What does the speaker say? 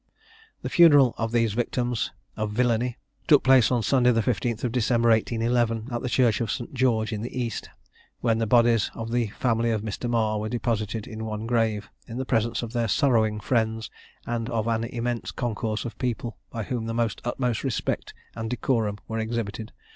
The funeral of these victims of villany took place on Sunday the 15th of December, 1811, at the church of St. George in the East, when the bodies of the family of Mr. Marr were deposited in one grave, in the presence of their sorrowing friends, and of an immense concourse of people, by whom the utmost respect and decorum were exhibited.